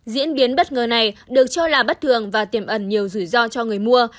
diễn biến bất ngờ này được cho là bất thường và tiềm ẩn nhiều rủi ro cho người mua